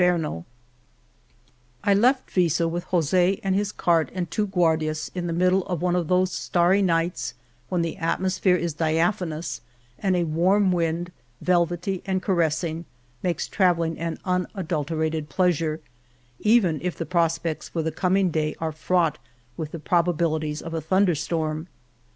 213 VII Venta de Cardenas ^^ Jl^;l'HU\l Venta de Cardenas I LEFT Viso with Jos6 and his cart and two Guardias in the middle of one of those starry nights when the atmosphere is diaphanous and a warm wind, velvety and caressing, makes travelling an unadulterated pleasure, even if the prospects for the com ing day are fraught with the probabilities of a thunder storm.